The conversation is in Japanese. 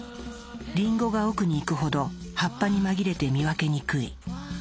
リンゴが奥にいくほど葉っぱに紛れて見分けにくい。